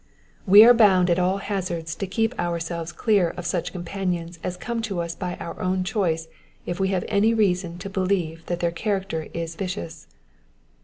We are bound at all hazards to, keep oarselres clear of such companions as come to us by our own choice if we have any reason to believe that their character is vicious.